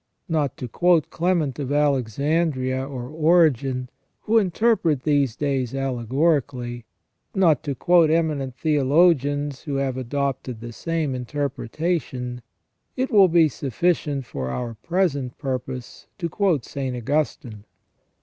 Not to quote Clement of Alexandria or Origen, who interpret these days allegorically ; not to quote eminent theologians who have adopted the same inter pretation, it will be sufificient for our present purpose to quote St. Augustine.